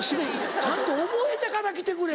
ちゃんと覚えてから来てくれ。